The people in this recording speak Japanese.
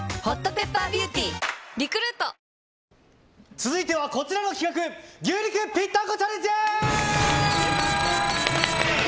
続いてはこちらの企画牛肉ぴったんこチャレンジ。